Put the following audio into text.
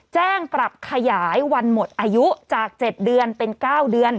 แจ้งปรับขยายวันหมดอายุจาก๗เดือนเป็น๙เดือน